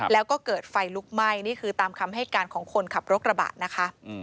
แล้วก็เกิดไฟลุกไหม้นี่คือตามคำให้การของคนขับรถกระบะนะคะ